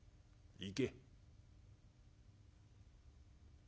行け」。